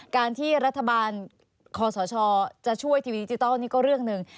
การที่รัฐบาลคอสชจะช่วยทีวีดิจิทัลนี่ก็เรื่องหนึ่ง